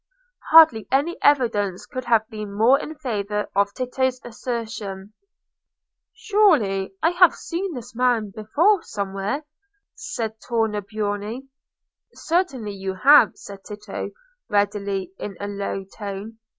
Hardly any evidence could have been more in favour of Tito's assertion. "Surely I have seen this man before, somewhere," said Tornabuoni. "Certainly you have," said Tito, readily, in a low tone.